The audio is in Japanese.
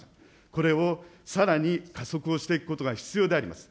これをさらに加速をしていくことが必要であります。